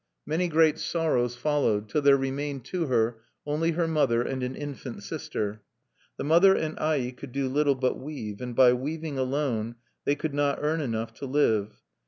Many great sorrows followed, till there remained to her only her mother and an infant sister. The mother and Ai could do little but weave; and by weaving alone they could not earn enough to live.